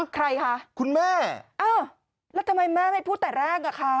ใครคะคุณแม่อ้าวแล้วทำไมแม่ไม่พูดแต่แรกอ่ะคะ